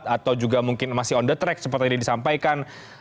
atau juga mungkin masih on the track seperti yang disampaikan